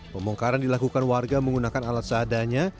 pembongkaran dilakukan warga menggunakan alat seadanya